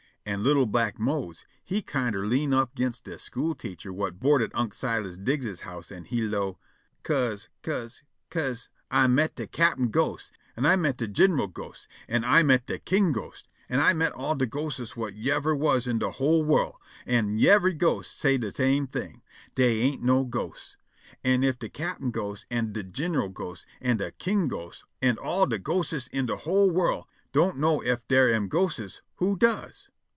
An' li'l' black Mose he kinder lean' up 'g'inst de school teacher whut board at Unc' Silas Diggs's house, an' he 'low': "'Ca'se 'ca'se 'ca'se I met de cap'n ghost, an' I met de gin'ral ghost, an' I met de king ghost, an' I met all de ghostes whut yiver was in de whole worl', an' yivery ghost say' de same thing: 'Dey ain't no ghosts.' An' if de cap'n ghost an' de gin'ral ghost an' de king ghost an' all de ghostes in de whole worl' don't know ef dar am ghostes, who does?"